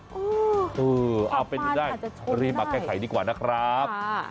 ความบ้านอาจจะช้นได้เอาเป็นอยู่ได้รีบหมักไข่ดีกว่านะครับ